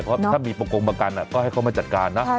เพราะถ้ามีประกงประกันก็ให้เขามาจัดการนะ